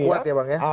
lawan kuat ya bang